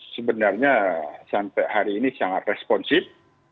sebenarnya sampai hari ini sangat responsif